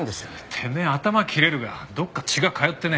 てめえ頭は切れるがどっか血が通ってねえ！